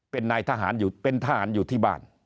เป็นทหารอยู่ที่บ้าน